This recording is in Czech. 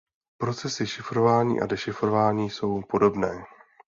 Procesy šifrování a dešifrování jsou podobné.